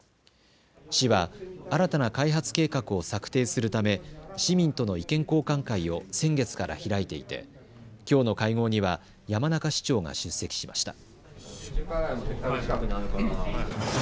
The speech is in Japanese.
市は新たな開発計画を策定するため市民との意見交換会を先月から開いていて、きょうの会合には山中市長が出席しました。